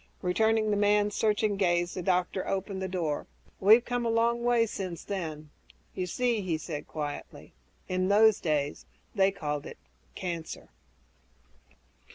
Returning the man's searching gaze, the doctor opened the door, "We've come a long way since then. You see," he said quietly, "in those days they called it 'cancer'."